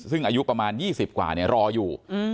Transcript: ซึ่งอายุประมาณ๒๐กว่ารออยู่